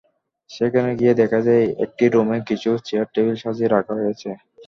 সেখানে গিয়ে দেখা যায়, একটি রুমে কিছু চেয়ার-টেবিল সাজিয়ে রাখা হয়েছে।